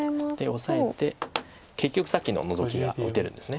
オサえて結局さっきのノゾキが打てるんです。